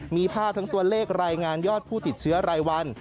มีภาพทั้งตัวเลขรายงานยอดผู้ติดเชื้อรายวัน